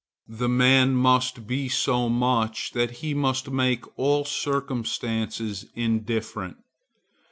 The man must be so much that he must make all circumstances indifferent.